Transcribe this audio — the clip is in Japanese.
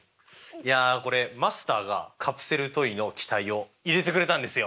いやこれマスターがカプセルトイの機械を入れてくれたんですよ！